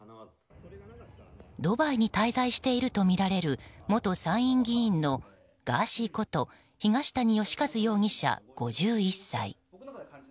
ドバイに滞在しているとみられる元参院議員のガーシーこと東谷義和容疑者、５１歳。